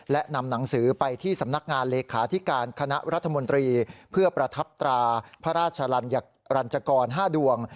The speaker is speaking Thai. และนำหนังสือไปที่สำนักงานเลขาธิการคณะรัฐมนตรีเพื่อประทับตราพระราชรัญจกร๕ดวง